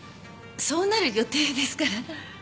そうなる予定ですから。